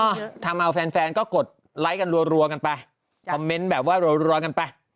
ก็ทำเอาแฟนแฟนก็กดไลค์กันรัวกันไปคอมเมนต์แบบว่ารัวกันไป